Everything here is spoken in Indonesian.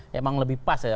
memang lebih pas ya